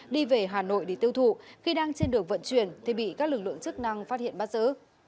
đi về hà nội để tiêu thụ khi đang trên đường vận chuyển thì bị các lực lượng chức năng phát hiện bắt giữ